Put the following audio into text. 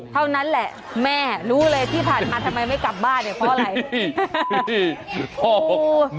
เท่านั้นแหละแม่รู้เลยที่ผ่านมาทำไมไม่กลับบ้านเนี่ยเพราะอะไร